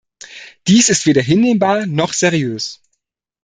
Dies ist weder hinnehmbar noch seriös.